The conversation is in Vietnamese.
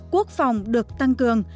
quốc phòng được tăng cường